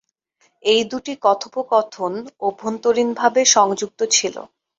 এই দুটি কথোপকথন অভ্যন্তরীণভাবে সংযুক্ত ছিল।